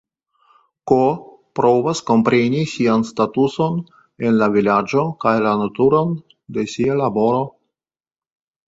K. provas kompreni sian statuson en la vilaĝo kaj la naturon de sia laboro.